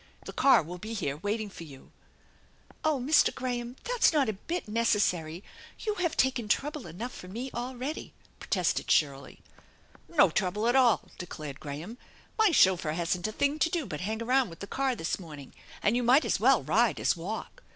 The car will be here waiting for you." " Oh, Mr. Graham, that's not a bit necessary ! You have tgien trouble enough for me already !" protested Shirley. " No trouble at all !" declared Graham. " My chauffeur hasn't a thing to do but hang around with the car this morning and you might as well ride as walk.